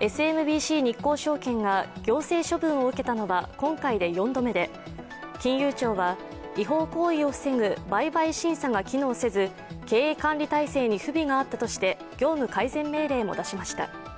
ＳＭＢＣ日興証券が行政処分を受けたのは今回で４度目で金融庁は違法行為を防ぐ売買審査が機能せず経営管理体制に不備があったとして業務改善命令も出しました。